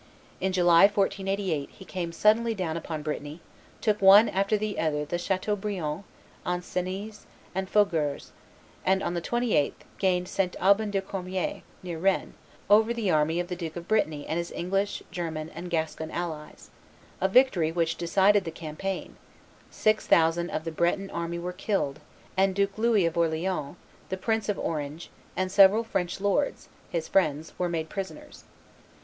In July, 1488, he came suddenly down upon Brittany, took one after the other Chateaubriant, Ancenis, and Fougeres, and, on the 28th, gained at St. Aubin du Cormier, near Rennes, over the army of the Duke of Brittany and his English, German, and Gascon allies, a victory which decided the campaign: six thousand of the Breton army were killed, and Duke Louis of Orleans, the Prince of Orange, and several French lords, his friends, were made prisoners.